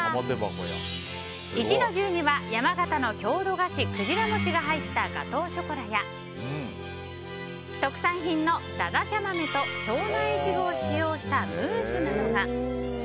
壱の重には、山形の郷土菓子くぢらもちが入ったガトーショコラや特産品のだだちゃ豆と庄内イチゴを使用したムースなどが。